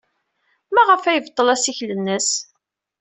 Maɣef ay yebṭel assikel-nnes?